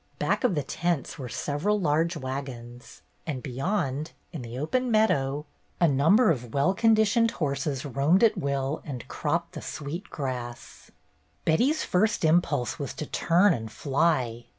Back of the tents were several large wagons, and be yond, in the open meadow, a number of well conditioned horses roamed at will and cropped the sweet grass. Betty's first impulse was to turn and fly.